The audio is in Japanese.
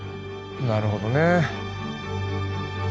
なるほどね。